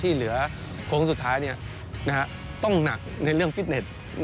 เหลือโค้งสุดท้ายต้องหนักในเรื่องฟิตเน็ต